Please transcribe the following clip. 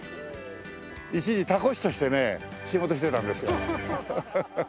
一時凧師としてね仕事してたんですよ。